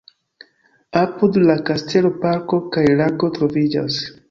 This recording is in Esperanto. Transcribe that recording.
Apud la kastelo parko kaj lago troviĝas.